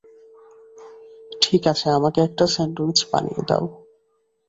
ঠিক আছে, আমাকে একটা স্যান্ডউইচ বানিয়ে দাও।